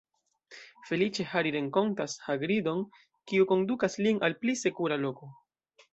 Feliĉe, Hari renkontas Hagrid-on, kiu kondukas lin al pli sekura loko.